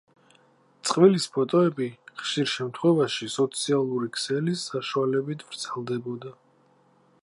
წყვილის ფოტოები ხშირ შემთხვევაში სოციალური ქსელის საშუალებით ვრცელდებოდა.